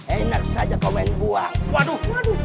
enak saja komen buah